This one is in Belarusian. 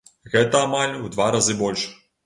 Гэта амаль у два разы больш!